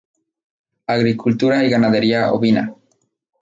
Agricultura y ganadería ovina.